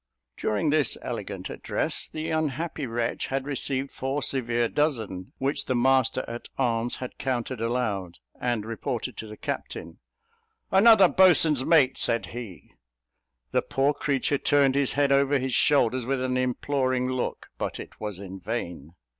During this elegant address, the unhappy wretch had received four severe dozen, which the master at arms had counted aloud, and reported to the captain. "Another boatswain's mate," said he. The poor creature turned his head over his shoulders with an imploring look, but it was in vain.